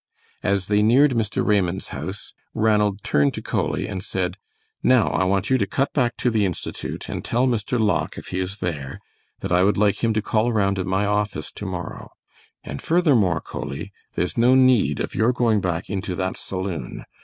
As they neared Mr. Raymond's house, Ranald turned to Coley and said: "Now I want you to cut back to the Institute and tell Mr. Locke, if he is there, that I would like him to call around at my office to morrow. And furthermore, Coley, there's no need of your going back into that saloon.